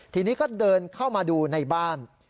ทีนี้ก็เดินเข้ามาดูในบ้าน